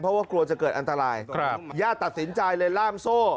เพราะว่ากลัวจะเกิดอันตรายครับญาติตัดสินใจเลยล่ามโซ่